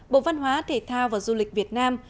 bộ văn hóa thể thao và du lịch việt nam